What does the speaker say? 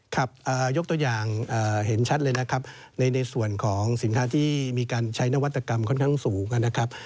ครับยกตัวอย่างเห็นชัดเลยนะครับในส่วนของสินค้าที่มีการใช้นวัตกรรมค่อนข้างสูงนะครับ